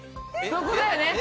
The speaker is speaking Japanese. そこだよね。